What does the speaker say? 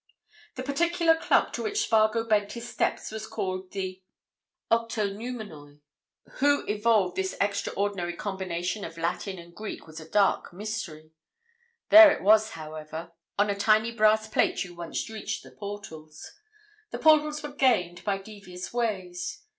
The particular club to which Spargo bent his steps was called the Octoneumenoi. Who evolved this extraordinary combination of Latin and Greek was a dark mystery: there it was, however, on a tiny brass plate you once reached the portals. The portals were gained by devious ways.